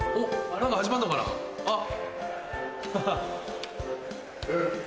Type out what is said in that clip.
何か始まるのかなあっ。